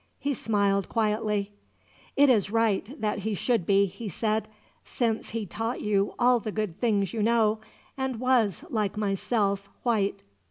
He smiled quietly. "It is right that he should be," he said, "since he taught you all the good things you know; and was, like myself, white."